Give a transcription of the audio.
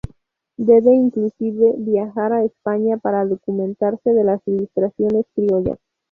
Debe inclusive viajar a España para documentarse de las ilustraciones criollas.